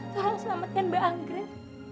tolong selamatkan mbak anggrek